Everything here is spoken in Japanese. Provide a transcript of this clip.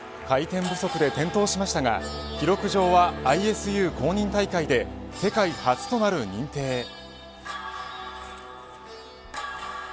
回転不足で転倒しましたが記録上はＩＳＵ公認大会で世界初となる認定へ。